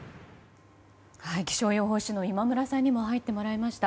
気象予報士の今村さんにも入ってもらいました。